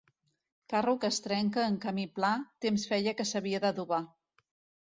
Carro que es trenca en camí pla, temps feia que s'havia d'adobar.